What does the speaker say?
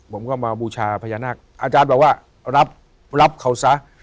ผมก็มาบูชาพญานาคอาจารย์บอกว่ารับรับเขาซะ